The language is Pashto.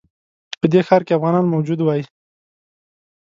په دې ښار کې افغانان موجود وای.